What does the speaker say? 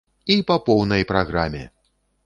І па поўнай праграме!